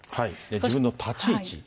自分の立ち位置。